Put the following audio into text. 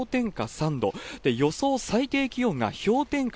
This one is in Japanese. ３度、予想最低気温が氷点下